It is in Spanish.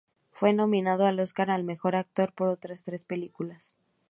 Fue nominado al Óscar al mejor actor por otras tres películas.